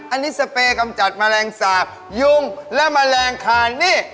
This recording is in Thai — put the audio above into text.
อันนี้สเปยกำจัดแมลงสาปยุงและแมลงคานนี่